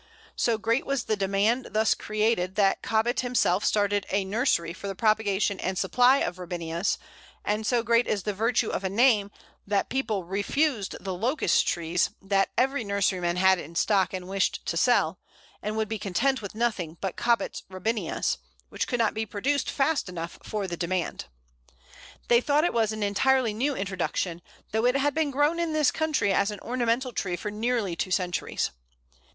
So great was the demand thus created that Cobbett himself started a nursery for the propagation and supply of Robinias, and so great is the virtue of a name that people refused the Locust trees that every nurseryman had in stock and wished to sell, and would be content with nothing but Cobbett's Robinias, which could not be produced fast enough for the demand! They thought it was an entirely new introduction, though it had been grown in this country as an ornamental tree for nearly two centuries!